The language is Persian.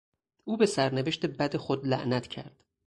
او به سرنوشت بد خود لعنت کرد.